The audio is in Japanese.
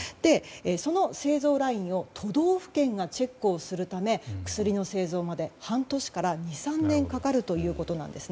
その製造ラインを都道府県がチェックをするため薬の製造まで半年から２３年かかるということです。